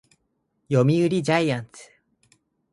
読売ジャイアンツ